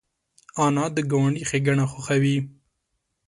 انا د ګاونډي ښېګڼه خوښوي